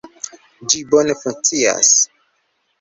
Ĝi bone funkcias.